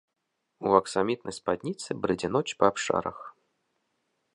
У аксамітнай спадніцы брыдзе ноч па абшарах.